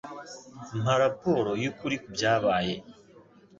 Mpa raporo yukuri kubyabaye.